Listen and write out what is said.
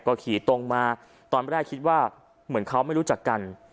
ก็ขี่ตรงมาตอนแรกคิดว่าเหมือนเขาไม่รู้จักกัน